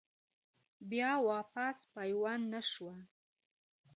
بيا واپس پيوند نۀ شوه ۔